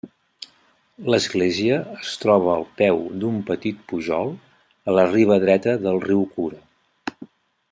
L'església es troba al peu d'un petit pujol a la riba dreta del riu Kura.